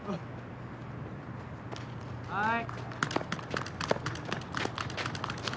・はい。